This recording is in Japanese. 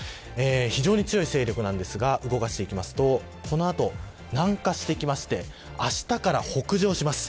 非常に強い勢力ですが動かしていきますとこの後、南下していきましてあしたから北上します。